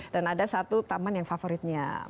dan ada satu taman yang favoritnya